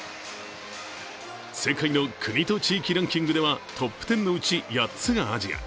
世界の国と地域ランキングではトップ１０のうち８つがアジア。